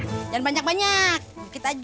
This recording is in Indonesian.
jangan banyak banyak kita aja